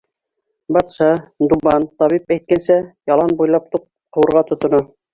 Батша, Дубан табип әйткәнсә, ялан буйлап туп ҡыуырға тотона.